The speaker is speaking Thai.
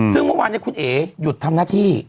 ซึ่งเมื่อวานคุณเอ๋หยุดทำหน้าที่